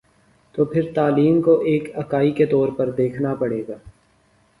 تو پھر تعلیم کو ایک اکائی کے طور پر دیکھنا پڑے گا۔